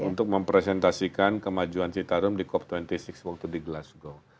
untuk mempresentasikan kemajuan citarum di cop dua puluh enam waktu di glasgow